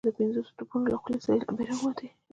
ناڅاپه د پنځوسو توپونو له خولو سرې لمبې را ووتې.